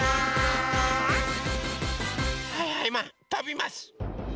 はいはいマンとびます！